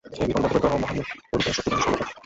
হে বীরগণ! বদ্ধপরিকর হও, মহামোহরূপ শত্রুগণ সম্মুখে।